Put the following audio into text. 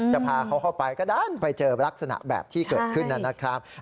พาเขาเข้าไปก็ดันไปเจอลักษณะแบบที่เกิดขึ้นนะครับ